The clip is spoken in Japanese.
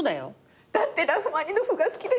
だってラフマニノフが好きでしょ？